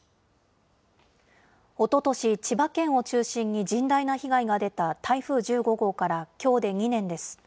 おととし、千葉県を中心に甚大な被害が出た台風１５号からきょうで２年です。